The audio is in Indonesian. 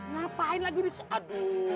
ngapain lagi ini aduh